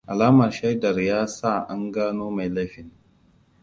Alamar shaidar ya sa an gano mai laifin.